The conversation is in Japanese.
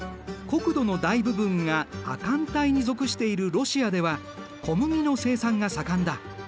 国土の大部分が亜寒帯に属しているロシアでは小麦の生産が盛んだ。